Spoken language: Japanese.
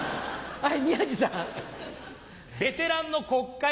はい。